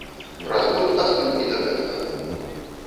Праз год астыў і да гэтага.